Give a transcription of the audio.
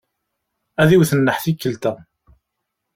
Ad iwet nneḥ tikkelt-a.